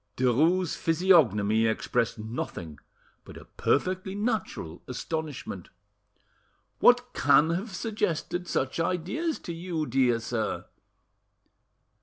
Derues' physiognomy expressed nothing but a perfectly natural astonishment. "What can have suggested such ideas to you; dear sir?"